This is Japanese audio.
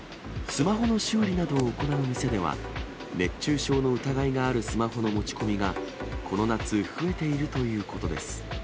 スマホの修理などを行う店では、熱中症の疑いがあるスマホの持ち込みがこの夏、増えているということです。